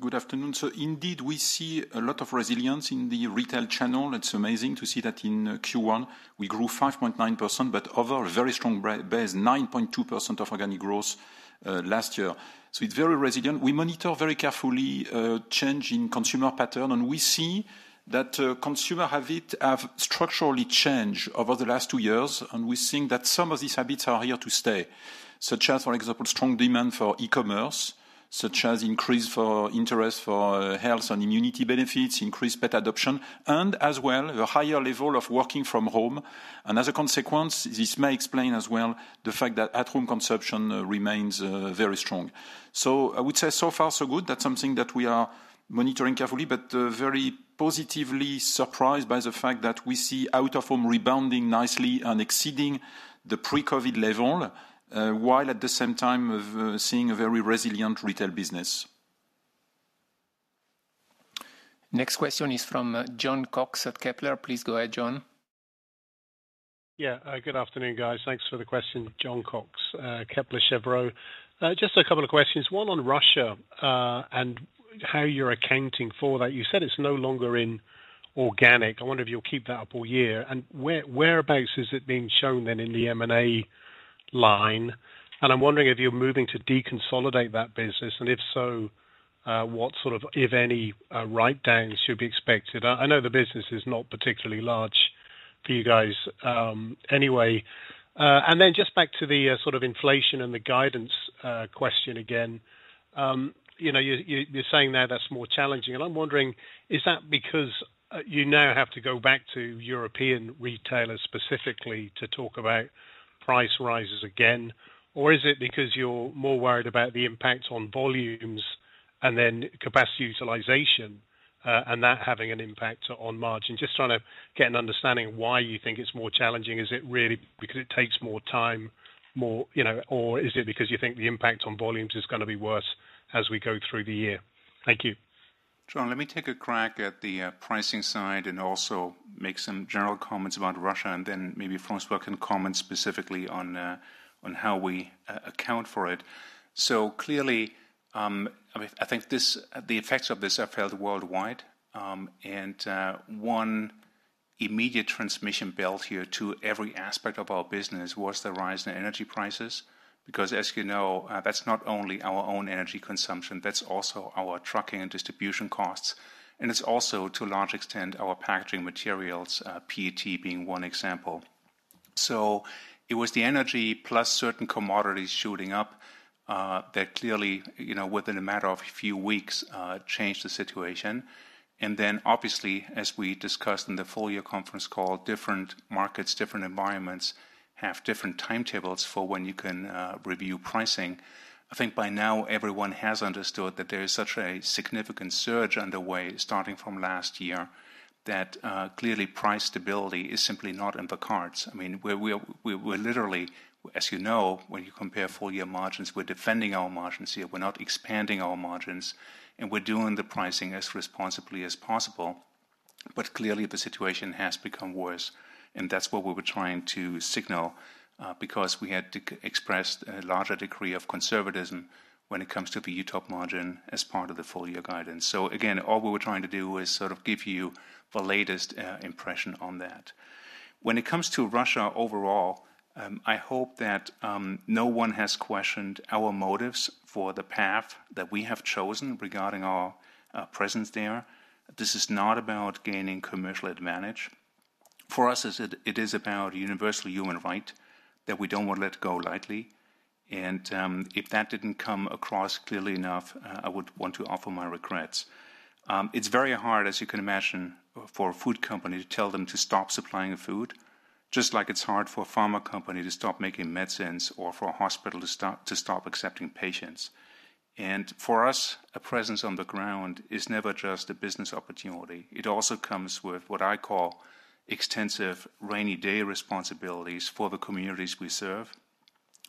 Good afternoon. Indeed, we see a lot of resilience in the retail channel. It's amazing to see that in Q1, we grew 5.9%, but over a very strong base, 9.2% of organic growth last year. It's very resilient. We monitor very carefully change in consumer pattern, and we see that consumer habit have structurally changed over the last two years. We're seeing that some of these habits are here to stay, such as, for example, strong demand for e-commerce, such as increase for interest for health and immunity benefits, increased pet adoption, and as well, the higher level of working from home. As a consequence, this may explain as well the fact that at home consumption remains very strong. I would say so far so good. That's something that we are monitoring carefully, but very positively surprised by the fact that we see out of home rebounding nicely and exceeding the pre-COVID level, while at the same time seeing a very resilient retail business. Next question is from Jon Cox at Kepler. Please go ahead, Jon. Yeah. Good afternoon, guys. Thanks for the question. Jon Cox, Kepler Cheuvreux. Just a couple of questions, one on Russia, and how you're accounting for that. You said it's no longer in organic. I wonder if you'll keep that up all year. Where, whereabouts is it being shown then in the M&A line? I'm wondering if you're moving to deconsolidate that business, and if so, what sort of, if any, write-downs should be expected? I know the business is not particularly large for you guys, anyway. Just back to the sort of inflation and the guidance question again. You know, you're saying there that's more challenging, and I'm wondering is that because you now have to go back to European retailers specifically to talk about price rises again? Is it because you're more worried about the impact on volumes and then capacity utilization, and that having an impact on margin? Just trying to get an understanding of why you think it's more challenging. Is it really because it takes more time? You know? Is it because you think the impact on volumes is gonna be worse as we go through the year? Thank you. John, let me take a crack at the pricing side and also make some general comments about Russia, and then maybe François can comment specifically on how we account for it. Clearly, I mean, I think the effects of this are felt worldwide. One immediate transmission belt here to every aspect of our business was the rise in energy prices. Because as you know, that's not only our own energy consumption, that's also our trucking and distribution costs, and it's also, to a large extent, our packaging materials, PET being one example. It was the energy plus certain commodities shooting up that clearly, you know, within a matter of a few weeks, changed the situation. Obviously, as we discussed in the full-year conference call, different markets, different environments have different timetables for when you can review pricing. I think by now everyone has understood that there is such a significant surge underway starting from last year that clearly price stability is simply not in the cards. I mean, we're literally, as you know, when you compare full-year margins, we're defending our margins here, we're not expanding our margins, and we're doing the pricing as responsibly as possible. But clearly, the situation has become worse, and that's what we were trying to signal because we had to express a larger degree of conservatism when it comes to the UTOP margin as part of the full-year guidance. Again, all we were trying to do is sort of give you the latest impression on that. When it comes to Russia overall, I hope that no one has questioned our motives for the path that we have chosen regarding our presence there. This is not about gaining commercial advantage. For us, it is about universal human rights that we don't wanna let go lightly, and if that didn't come across clearly enough, I would want to offer my regrets. It's very hard, as you can imagine, for a food company to tell them to stop supplying food, just like it's hard for a pharma company to stop making medicines or for a hospital to stop accepting patients. For us, a presence on the ground is never just a business opportunity. It also comes with what I call extensive rainy day responsibilities for the communities we serve.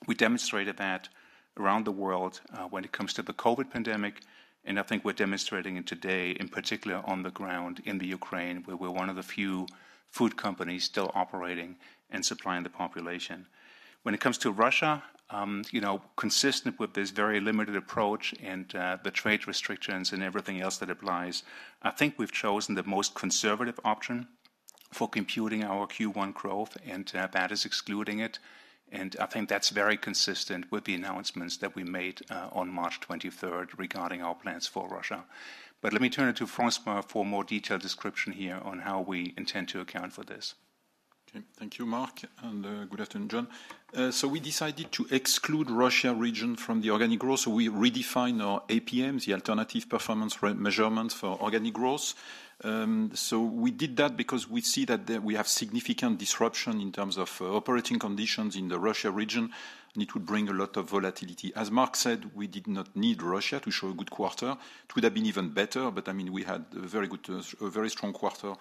We demonstrated that around the world, when it comes to the COVID pandemic, and I think we're demonstrating it today, in particular on the ground in the Ukraine, where we're one of the few food companies still operating and supplying the population. When it comes to Russia, you know, consistent with this very limited approach and, the trade restrictions and everything else that applies, I think we've chosen the most conservative option for computing our Q1 growth, and, that is excluding it. I think that's very consistent with the announcements that we made, on March 23rd regarding our plans for Russia. Let me turn it to François for a more detailed description here on how we intend to account for this. Okay. Thank you, Mark, and good afternoon, John. We decided to exclude Russia region from the organic growth, we redefined our APM, the alternative performance measure for organic growth. We did that because we see that we have significant disruption in terms of operating conditions in the Russia region, and it would bring a lot of volatility. As Mark said, we did not need Russia to show a good quarter. It would have been even better, but I mean, we had a very good, a very strong quarter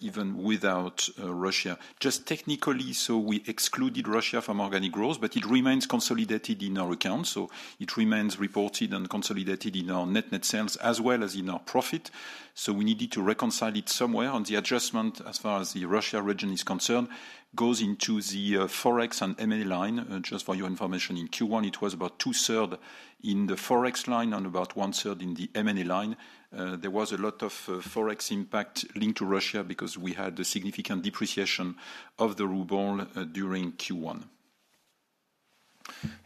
even without Russia. Just technically, we excluded Russia from organic growth, but it remains consolidated in our accounts. It remains reported and consolidated in our net sales as well as in our profit. We needed to reconcile it somewhere, and the adjustment, as far as the Russia region is concerned, goes into the Forex and M&A line. Just for your information, in Q1, it was about two-thirds in the Forex line and about one-third in the M&A line. There was a lot of Forex impact linked to Russia because we had a significant depreciation of the ruble during Q1.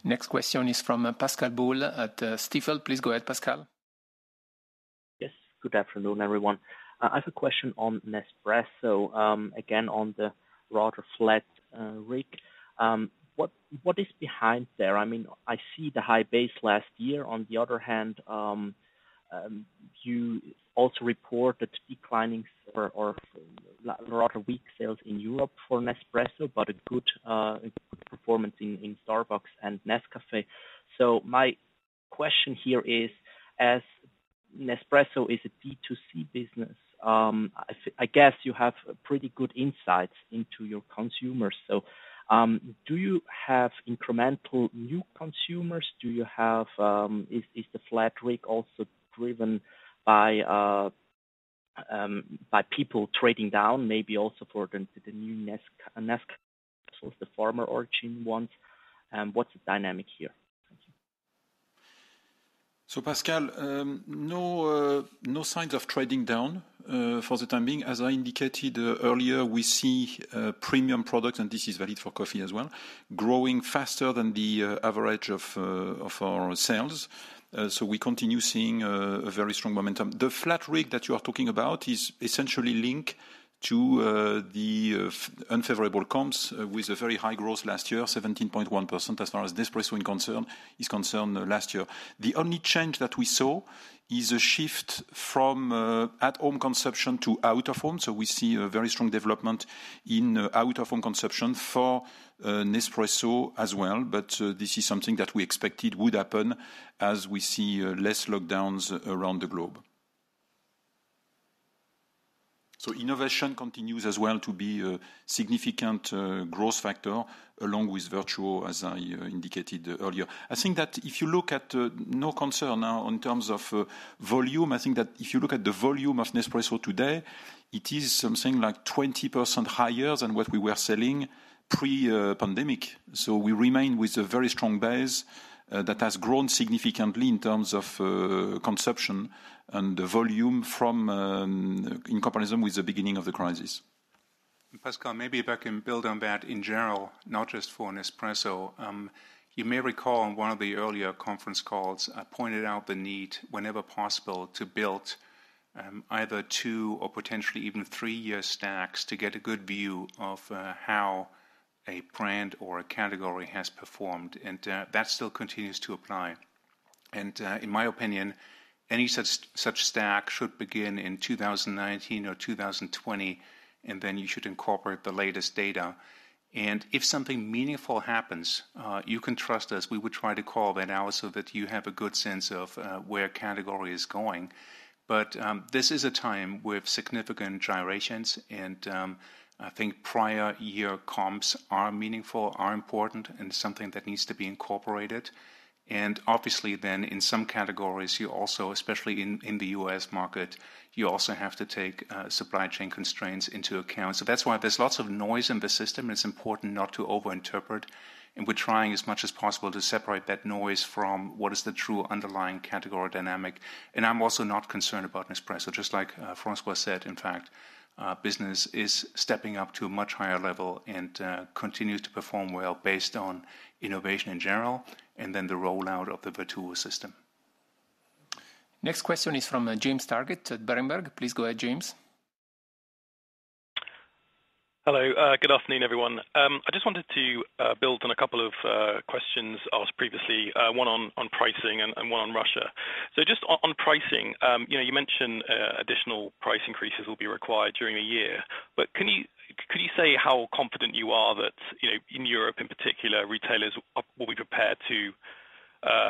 Next question is from Pascal Boll at Stifel. Please go ahead, Pascal. Yes. Good afternoon, everyone. I have a question on Nespresso, again, on the rather flat RIG. What is behind there? I mean, I see the high base last year. On the other hand, you also report declining or rather weak sales in Europe for Nespresso, but a good performance in Starbucks and Nescafé. So my question here is, as Nespresso is a D2C business, I guess you have pretty good insights into your consumers. So Do you have incremental new consumers? Is the flat rate also driven by people trading down, maybe also for the new Nescafé, the former Original ones? What's the dynamic here? Thank you. Pascal, no signs of trading down for the time being. As I indicated earlier, we see premium products, and this is valid for coffee as well, growing faster than the average of our sales. We continue seeing a very strong momentum. The flat rate that you are talking about is essentially linked to the unfavorable comps with a very high growth last year, 17.1% as far as Nespresso is concerned last year. The only change that we saw is a shift from at home consumption to out of home. We see a very strong development in out of home consumption for Nespresso as well. This is something that we expected would happen as we see less lockdowns around the globe. Innovation continues as well to be a significant growth factor along with Vertuo, as I indicated earlier. I think that if you look at no concern now in terms of volume, I think that if you look at the volume of Nespresso today, it is something like 20% higher than what we were selling pre-pandemic. We remain with a very strong base that has grown significantly in terms of consumption and the volume from in comparison with the beginning of the crisis. Pascal, maybe if I can build on that in general, not just for Nespresso. You may recall in one of the earlier conference calls, I pointed out the need, whenever possible, to build either two or potentially even three-year stacks to get a good view of how a brand or a category has performed. That still continues to apply. In my opinion, any such stack should begin in 2019 or 2020, and then you should incorporate the latest data. If something meaningful happens, you can trust us, we would try to call the analysis so that you have a good sense of where a category is going. This is a time with significant gyrations and I think prior year comps are meaningful, are important, and something that needs to be incorporated. Obviously then in some categories, you also, especially in the U.S. market, you also have to take supply chain constraints into account. That's why there's lots of noise in the system, and it's important not to over interpret, and we're trying as much as possible to separate that noise from what is the true underlying category dynamic. I'm also not concerned about Nespresso, just like François said, in fact, business is stepping up to a much higher level and continues to perform well based on innovation in general and then the rollout of the Vertuo system. Next question is from James Targett at Berenberg. Please go ahead, James. Hello. Good afternoon, everyone. I just wanted to build on a couple of questions asked previously, one on pricing and one on Russia. Just on pricing, you know, you mentioned additional price increases will be required during the year, but could you say how confident you are that, you know, in Europe in particular, retailers will be prepared to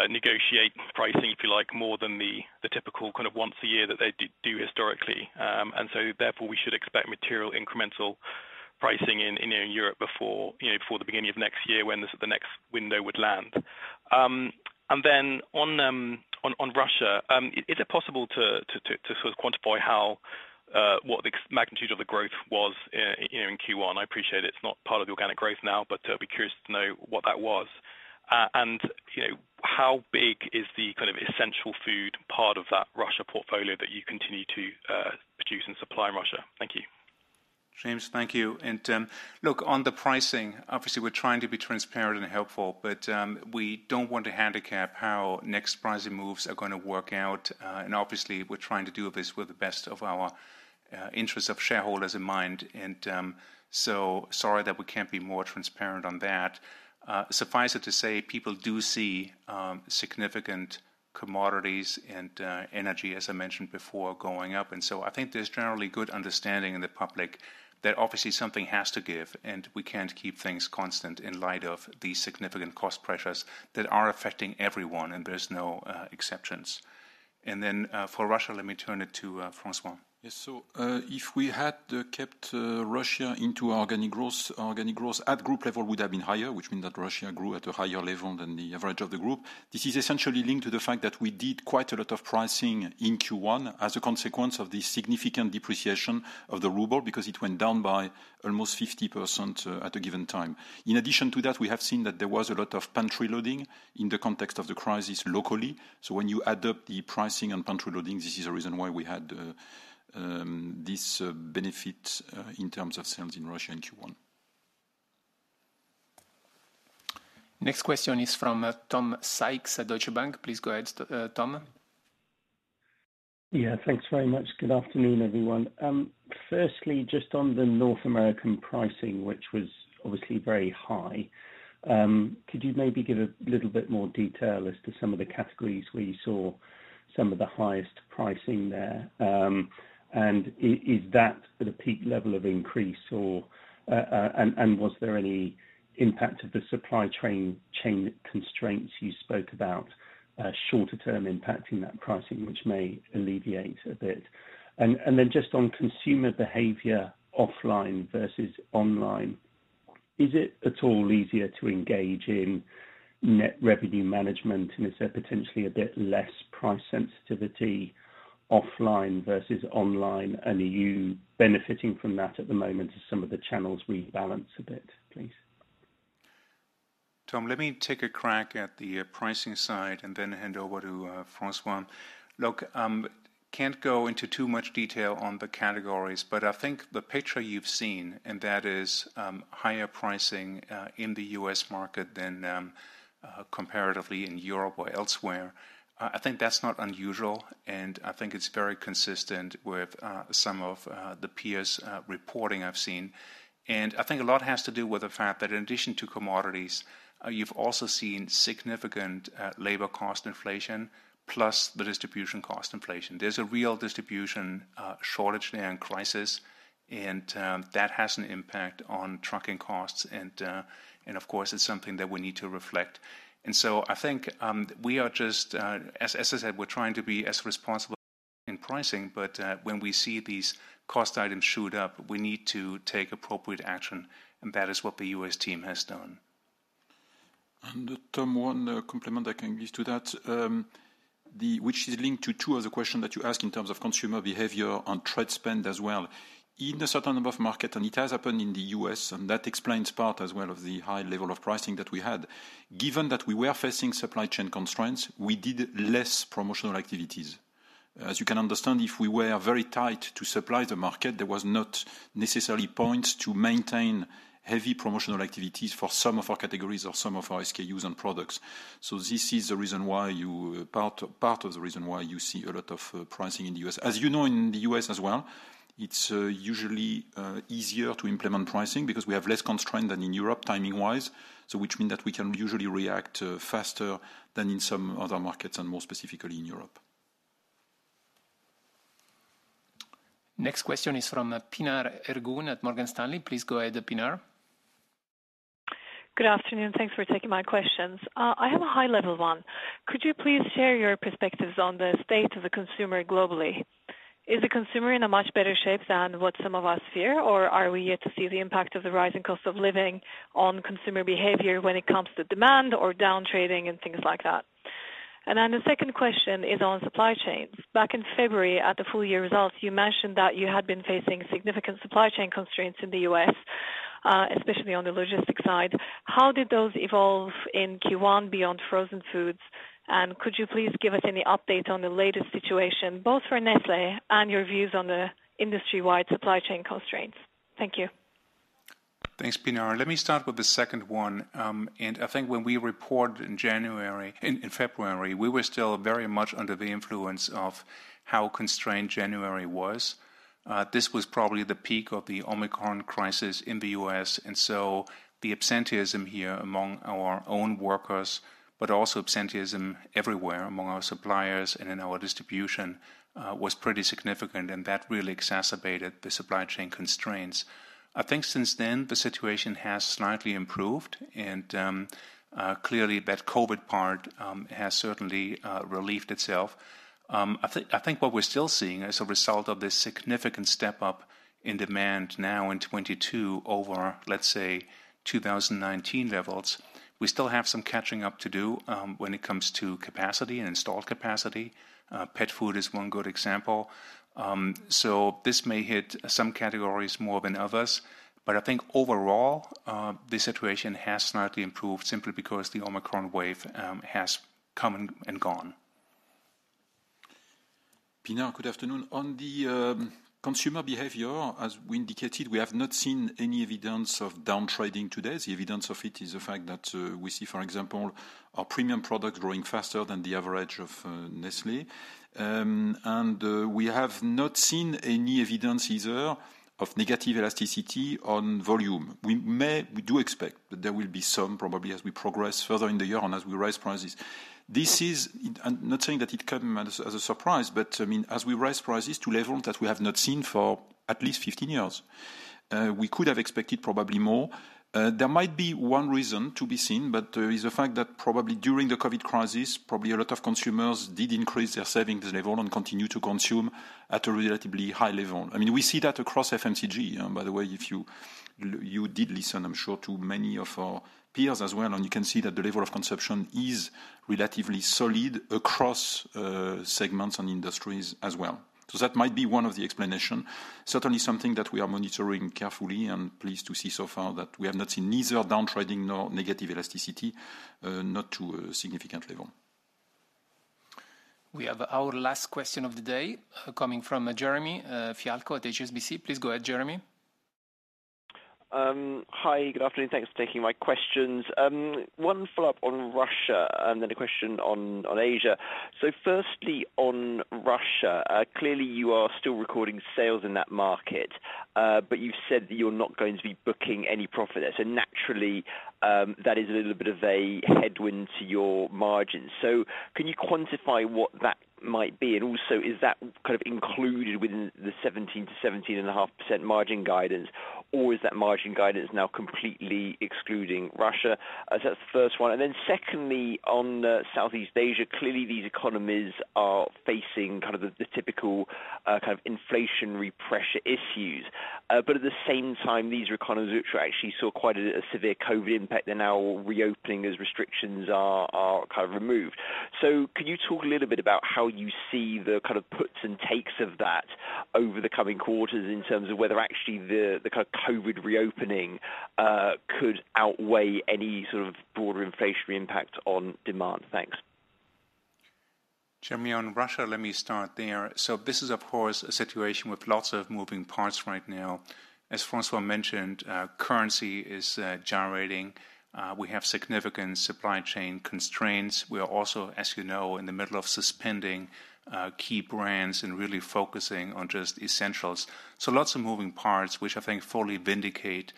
negotiate pricing, if you like, more than the typical kind of once a year that they do historically? Therefore, we should expect material incremental pricing in Europe before, you know, before the beginning of next year when the next window would land. On Russia, is it possible to sort of quantify what the magnitude of the growth was, you know, in Q1? I appreciate it's not part of the organic growth now, but I'd be curious to know what that was. You know, how big is the kind of essential food part of that Russia portfolio that you continue to produce and supply in Russia? Thank you. James, thank you. Look, on the pricing, obviously, we're trying to be transparent and helpful, but we don't want to handicap how next pricing moves are gonna work out. Obviously, we're trying to do this in the best interests of our shareholders in mind. Sorry that we can't be more transparent on that. Suffice it to say, people do see significant commodities and energy, as I mentioned before, going up. I think there's generally good understanding in the public that obviously something has to give, and we can't keep things constant in light of the significant cost pressures that are affecting everyone, and there's no exceptions. For Russia, let me turn it to François. Yes. If we had kept Russia into organic growth, organic growth at group level would have been higher, which means that Russia grew at a higher level than the average of the group. This is essentially linked to the fact that we did quite a lot of pricing in Q1 as a consequence of the significant depreciation of the ruble, because it went down by almost 50% at a given time. In addition to that, we have seen that there was a lot of pantry loading in the context of the crisis locally. When you add up the pricing and pantry loading, this is a reason why we had this benefit in terms of sales in Russia in Q1. Next question is from Tom Sykes at Deutsche Bank. Please go ahead, Tom. Yeah. Thanks very much. Good afternoon, everyone. Firstly, just on the North American pricing, which was obviously very high, could you maybe give a little bit more detail as to some of the categories where you saw some of the highest pricing there? Is that the peak level of increase or, and was there any impact of the supply chain constraints you spoke about? Shorter term impact in that pricing, which may alleviate a bit. Then just on consumer behavior offline versus online, is it at all easier to engage in net revenue management? Is there potentially a bit less price sensitivity offline versus online? Are you benefiting from that at the moment as some of the channels rebalance a bit, please? Tom, let me take a crack at the pricing side and then hand over to François. Look, can't go into too much detail on the categories, but I think the picture you've seen, and that is higher pricing in the U.S. market than comparatively in Europe or elsewhere. I think that's not unusual, and I think it's very consistent with some of the peers' reporting I've seen. I think a lot has to do with the fact that in addition to commodities, you've also seen significant labor cost inflation plus the distribution cost inflation. There's a real distribution shortage there and crisis, and that has an impact on trucking costs. Of course it's something that we need to reflect. I think, we are just as I said, we're trying to be as responsible in pricing, but when we see these cost items shoot up, we need to take appropriate action, and that is what the U.S. team has done. Tom, one compliment I can give to that, which is linked to two of the question that you asked in terms of consumer behavior on trade spend as well. In a certain number of market, and it has happened in the U.S. and that explains part as well of the high level of pricing that we had, given that we were facing supply chain constraints, we did less promotional activities. As you can understand, if we were very tight to supply the market, there was not necessarily points to maintain heavy promotional activities for some of our categories or some of our SKUs and products. This is the reason why you part of the reason why you see a lot of pricing in the U.S. As you know, in the U.S. as well, it's usually easier to implement pricing because we have less constraint than in Europe timing-wise, which means that we can usually react faster than in some other markets and more specifically in Europe. Next question is from Pinar Ergun at Morgan Stanley. Please go ahead, Pinar. Good afternoon. Thanks for taking my questions. I have a high level one. Could you please share your perspectives on the state of the consumer globally? Is the consumer in a much better shape than what some of us fear, or are we yet to see the impact of the rising cost of living on consumer behavior when it comes to demand or down trading and things like that? The second question is on supply chains. Back in February at the full year results, you mentioned that you had been facing significant supply chain constraints in the U.S., especially on the logistics side. How did those evolve in Q1 beyond frozen foods? Could you please give us any update on the latest situation, both for Nestlé and your views on the industry-wide supply chain constraints? Thank you. Thanks, Pinar. Let me start with the second one. I think when we report in January, in February, we were still very much under the influence of how constrained January was. This was probably the peak of the Omicron crisis in the U.S., and so the absenteeism here among our own workers, but also absenteeism everywhere among our suppliers and in our distribution, was pretty significant, and that really exacerbated the supply chain constraints. I think since then, the situation has slightly improved and clearly that COVID part has certainly relieved itself. I think what we're still seeing as a result of this significant step up in demand now in 2022 over, let's say 2019 levels, we still have some catching up to do, when it comes to capacity and installed capacity. Pet food is one good example. This may hit some categories more than others, but I think overall, the situation has slightly improved simply because the Omicron wave has come and gone. Pinar, good afternoon. On the consumer behavior, as we indicated, we have not seen any evidence of down trading today. The evidence of it is the fact that we see, for example, our premium product growing faster than the average of Nestlé. We have not seen any evidence either of negative elasticity on volume. We do expect that there will be some probably as we progress further in the year and as we raise prices. This is not saying that it comes as a surprise, but I mean, as we raise prices to levels that we have not seen for at least 15 years, we could have expected probably more. There might be one reason to be seen, but it is the fact that probably during the COVID crisis, probably a lot of consumers did increase their savings level and continue to consume at a relatively high level. I mean, we see that across FMCG, by the way, if you did listen, I'm sure to many of our peers as well, and you can see that the level of consumption is relatively solid across segments and industries as well. That might be one of the explanation. Certainly something that we are monitoring carefully and pleased to see so far that we have not seen neither down trading nor negative elasticity, not to a significant level. We have our last question of the day coming from Jeremy Fialko at HSBC. Please go ahead, Jeremy. Hi. Good afternoon. Thanks for taking my questions. One follow-up on Russia and then a question on Asia. Firstly on Russia, clearly you are still recording sales in that market, but you've said that you're not going to be booking any profit there. Naturally, that is a little bit of a headwind to your margins. Can you quantify what that might be? And also is that kind of included within the 17%-17.5% margin guidance? Or is that margin guidance now completely excluding Russia? That's the first one. And then secondly, on Southeast Asia, clearly these economies are facing kind of the typical kind of inflationary pressure issues. At the same time, these economies which we actually saw quite a severe COVID impact, they're now reopening as restrictions are kind of removed. Can you talk a little bit about how you see the kind of puts and takes of that over the coming quarters in terms of whether actually the kind of COVID reopening could outweigh any sort of broader inflationary impact on demand? Thanks. Jeremy, on Russia, let me start there. This is of course a situation with lots of moving parts right now. As François mentioned, currency is generating. We have significant supply chain constraints. We are also, as you know, in the middle of suspending key brands and really focusing on just essentials. Lots of moving parts, which I think fully vindicate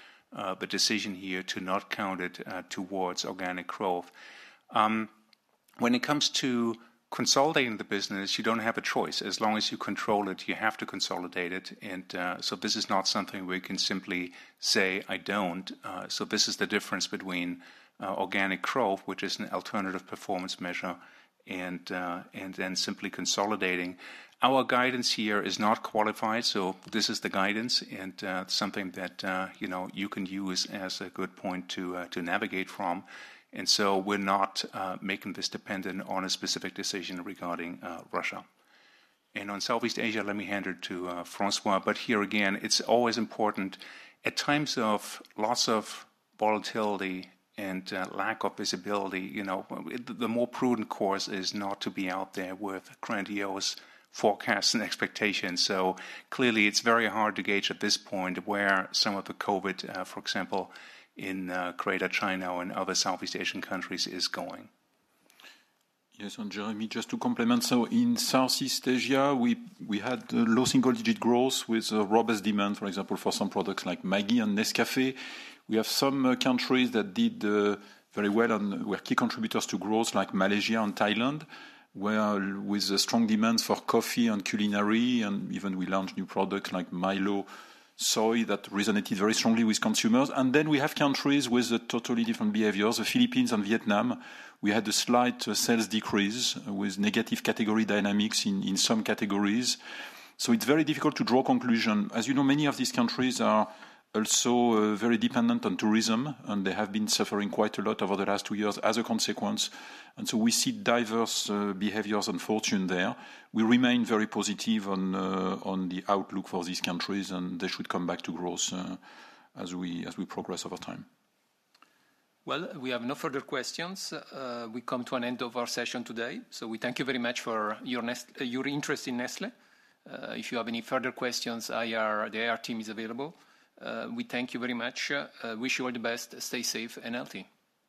the decision here to not count it towards organic growth. When it comes to consolidating the business, you don't have a choice. As long as you control it, you have to consolidate it. This is not something we can simply say I don't. This is the difference between organic growth, which is an alternative performance measure, and then simply consolidating. Our guidance here is not qualified, so this is the guidance and, something that, you know, you can use as a good point to navigate from. We're not making this dependent on a specific decision regarding, Russia. On Southeast Asia, let me hand it to, François. Here again, it's always important at times of lots of volatility and, lack of visibility, you know, the more prudent course is not to be out there with grandiose forecasts and expectations. Clearly it's very hard to gauge at this point where some of the COVID, for example, in, Greater China or in other Southeast Asian countries is going. Yes. Jeremy, just to complement, in Southeast Asia, we had low single digit growth with robust demand, for example, for some products like Maggi and Nescafé. We have some countries that did very well and were key contributors to growth like Malaysia and Thailand, where with the strong demands for coffee and culinary and even we launched new products like Milo Soy, that resonated very strongly with consumers. Then we have countries with a totally different behaviors, the Philippines and Vietnam. We had a slight sales decrease with negative category dynamics in some categories. It's very difficult to draw conclusion. As you know, many of these countries are also very dependent on tourism, and they have been suffering quite a lot over the last two years as a consequence. We see diverse behaviors, unfortunately there. We remain very positive on the outlook for these countries, and they should come back to growth, as we progress over time. Well, we have no further questions. We come to an end of our session today. We thank you very much for your interest in Nestlé. If you have any further questions, the IR team is available. We thank you very much, wish you all the best. Stay safe and healthy.